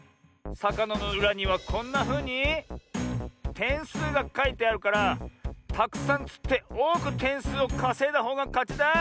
さかなのうらにはこんなふうにてんすうがかいてあるからたくさんつっておおくてんすうをかせいだほうがかちだ。